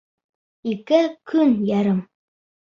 — Ике көн ярым.